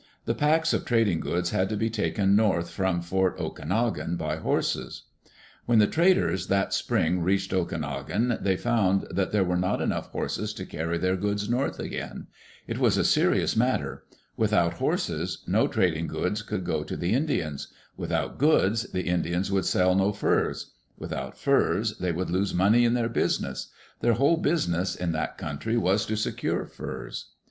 The packs of trading goods had to be taken north from Fort Okanogan by horses. ^, Digitized by VjOOQ IC ADVENTURES IN THE YAKIMA VALLEY When the traders that spring reached Okanogan, they found there were not enough horses to carry their goods north again. It was a serious matter. Without horses, no trading goods could go to the Indians. Without goods, the Indians would sell no furs. Without furs, they would lose money in their business. Their whole business in that country was to secure furs.